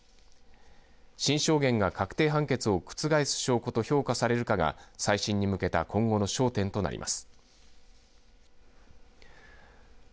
新証言が確定判決を覆す証拠と評価されるかが再審に向けた今後の焦点となります。